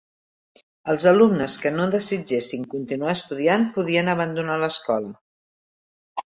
Els alumnes que no desitgessin continuar estudiant podien abandonar l'escola.